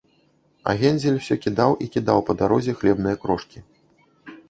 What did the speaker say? А Гензель усё кідаў і кідаў па дарозе хлебныя крошкі